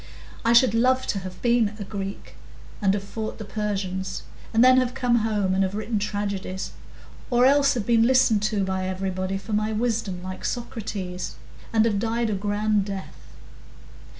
I should like to have been a Greek and fought the Persians, and then have come home and have written tragedies, or else have been listened to by everybody for my wisdom, like Socrates, and have died a grand death."